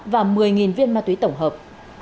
và một mươi viên ma túy tổng hợp